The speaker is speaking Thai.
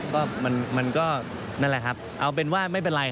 ก็มันก็นั่นแหละครับเอาเป็นว่าไม่เป็นไร